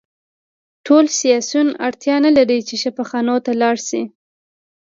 ټول سیاسیون اړتیا نلري چې شفاخانو ته لاړ شي